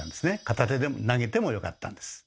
片手で投げてもよかったんです。